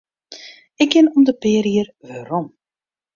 Ik gean om de pear jier werom.